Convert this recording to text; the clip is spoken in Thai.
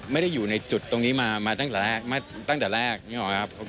ไม่ได้อยู่ในจุดตรงนี้มามาตั้งแต่แรกมาตั้งแต่แรกนี่เหรอครับ